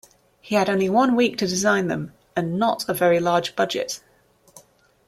He had only one week to design them and not a very large budget.